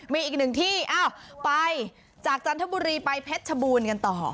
มีอีกหนึ่งที่อ้าวไปจากจันทบุรีไปเพชรชบูรณ์กันต่อ